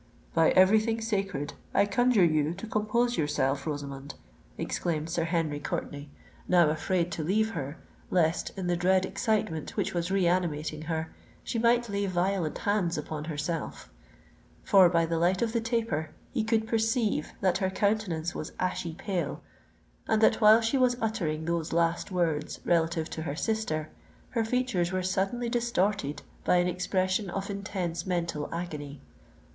"By every thing sacred, I conjure you to compose yourself, Rosamond," exclaimed Sir Henry Courtenay, now afraid to leave her, lest in the dread excitement which was reanimating her, she might lay violent hands upon herself:—for, by the light of the taper, he could perceive that her countenance was ashy pale, and that while she was uttering those last words relative to her sister, her features were suddenly distorted by an expression of intense mental agony.